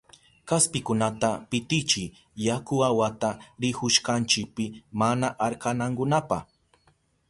Kaspikunata pitichiy yaku awata rihushkanchipi mana arkanankunapa.